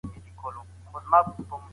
افراط کول په هر څه کي بد دي.